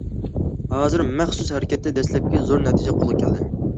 ھازىر مەخسۇس ھەرىكەتتە دەسلەپكى زور نەتىجە قولغا كەلدى.